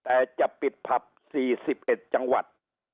แต่จะปิดผับ๔๑จังหวัด